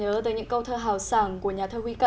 giành được phong tặng danh hiệu